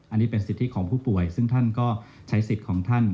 อันนี้เป็นสิทธิของผู้ป่วยซึ่งท่านก็ใช้สิทธิ์ของท่าน